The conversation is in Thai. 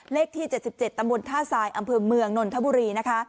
เลขที่เจ็ดสิบเจ็ดตำวนท่าทรายอำคือเมืองนทบุรีนะคะ